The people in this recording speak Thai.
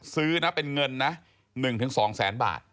ซื้อนะเป็นเงินนะ๑๒แสนบาท